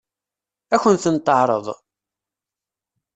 Ad kent-ten-teɛṛeḍ?